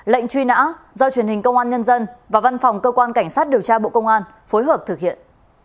lệnh truy nã do truyền hình công an nhân dân và văn phòng cơ quan cảnh sát điều tra bộ công an phối hợp thực hiện